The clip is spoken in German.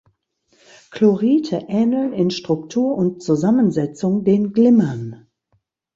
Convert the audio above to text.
Chlorite ähneln in Struktur und Zusammensetzung den Glimmern.